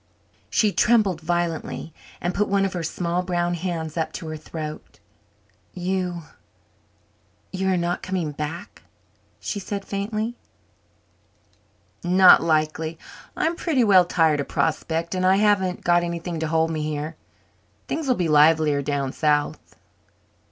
She trembled violently and put one of her small brown hands up to her throat. "You you are not coming back?" she said faintly. "Not likely. I'm pretty well tired of Prospect and I haven't got anything to hold me here. Things'll be livelier down south."